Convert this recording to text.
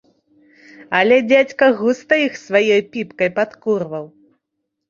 Але дзядзька густа іх сваёй піпкай падкурваў.